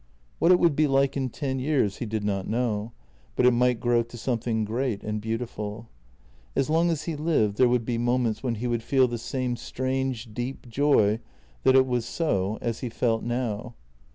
What it would be like in ten years, he did not know, but it might grow to something great and beautiful. As long as he lived there would be moments when he would feel the same strange, deep joy that it was so, as he felt now.